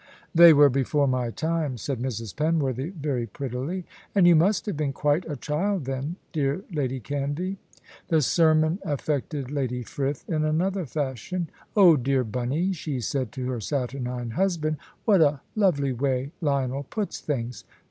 "They were before my time," said Mrs. Penworthy, very prettily; "and you must have been quite a child then, dear Lady Canvey." The sermon affected Lady Frith in another fashion. "Oh, dear Bunny," she said to her saturnine husband, "what a lovely way Lionel puts things!